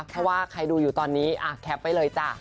เพราะว่าใครดูอยู่ตอนนี้แคปไว้เลยจ้ะ